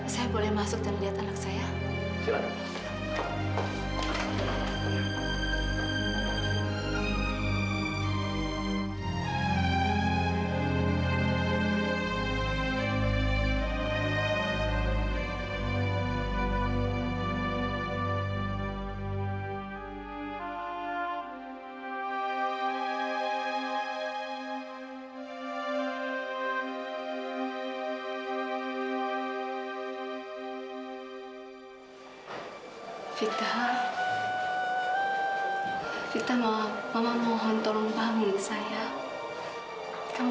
saya boleh masuk dan lihat anak saya